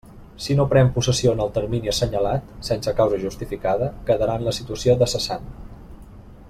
So no pren possessió en el termini assenyalat, sense causa justificada, quedarà en la situació de cessant.